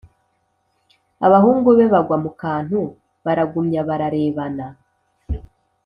abahungu be bagwa mu kantu baragumya bararebana,